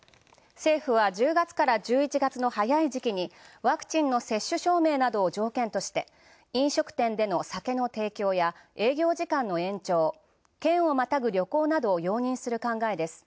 政府は１０月から１１月の早い時期に、ワクチンの接種証明などを条件として、飲食店での酒の提供や、営業時間の延長、県をまたぐ旅行などを容認する考えです。